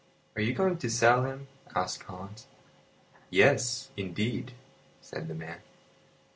"Are you going to sell him?" asked Hans. "Yes, indeed," said the man.